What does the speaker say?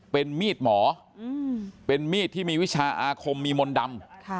เป็นมีดหมอเป็นมีดที่มีวิชาอาคมมีมนต์ดำ